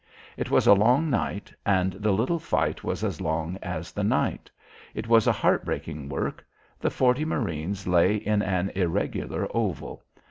It was a long night and the little fight was as long as the night. It was a heart breaking work. The forty marines lay in an irregular oval.